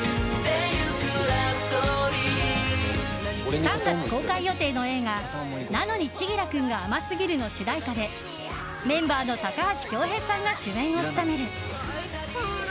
３月公開予定の映画「なのに、千輝くんが甘すぎる。」の主題歌でメンバーの高橋恭平さんが主演を務める。